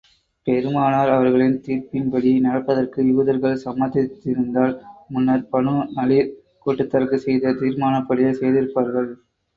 பெருமானார் அவர்களின் தீர்ப்பின்படி நடப்பதற்கு யூதர்கள் சம்மதித்திருந்தால், முன்னர் பனூ நலீர் கூட்டத்தாருக்குச் செய்த தீர்மானப்படியே செய்திருப்பார்கள்.